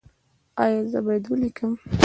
ایا زه باید ولیکم؟